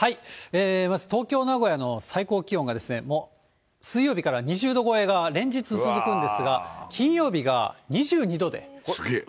まず東京、名古屋の最高気温がですね、もう、水曜日から２０度超えが連日続くんですが、金曜日が２２度で。